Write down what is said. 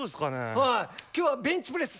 はい。